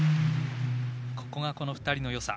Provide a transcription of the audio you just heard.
ここがこの２人のよさ。